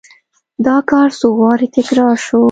دا کار څو وارې تکرار شو.